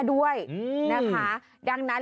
ขอบคุณครับ